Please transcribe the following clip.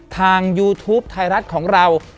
ยูทูปไทยรัฐของเรา